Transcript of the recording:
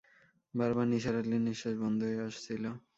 বারবার নিসার আলির নিঃশ্বাস বন্ধ হয়ে আসছিল।